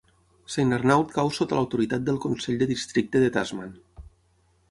Saint Arnaud cau sota l'autoritat del Consell de districte de Tasman.